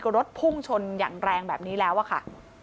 รถพุ่งชนอย่างแรงแบบนี้แล้วอะค่ะ